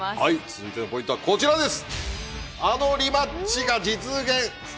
続いてのポイントはこちらです！